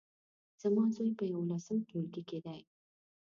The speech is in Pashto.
زما زوی په يولسم ټولګي کې دی